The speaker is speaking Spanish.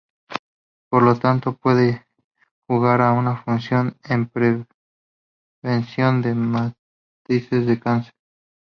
Por lo tanto pueda jugar una función en prevención de metástasis de cáncer.